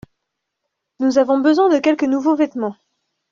Nous avons besoin de quelques nouveaux vêtements.